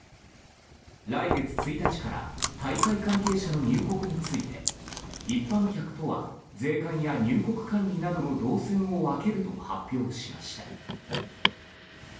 来月１日から大会関係者の入国について一般客とは、税関や入国管理などの動線を分けると発表しました。